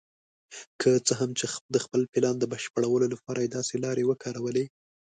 که څه هم چې د خپل پلان د بشپړولو لپاره یې داسې لارې وکارولې.